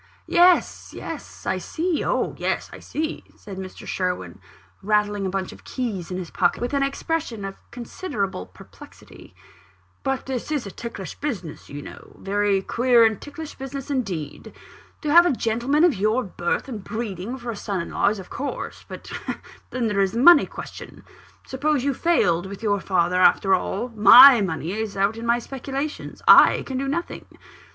"Yes, yes; I see oh, yes, I see!" said Mr. Sherwin, rattling a bunch of keys in his pocket, with an expression of considerable perplexity; "but this is a ticklish business, you know a very queer and ticklish business indeed. To have a gentleman of your birth and breeding for a son in law, is of course but then there is the money question. Suppose you failed with your father after all my money is out in my speculations I can do nothing.